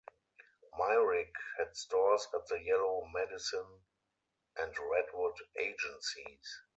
Myrick had stores at the Yellow Medicine and Redwood Agencies.